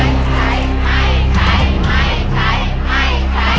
ไม่ใช้